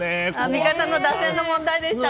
味方の打線の問題でしたね。